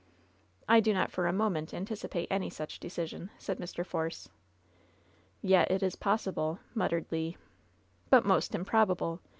"I do not for a moment anticipate any such decision," said Mr. Force. "Yet, it is possible," muttered Le. '^ut most improbable.